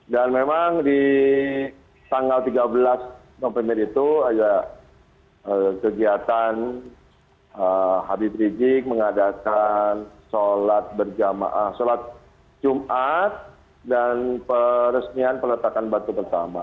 dan memang di tanggal tiga belas november itu ada kegiatan habib ridjik mengadakan sholat jumat dan peresmian penetakan batu pertama